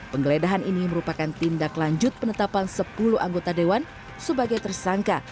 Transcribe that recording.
penggeledahan ini merupakan tindak lanjut penetapan sepuluh anggota dewan sebagai tersangka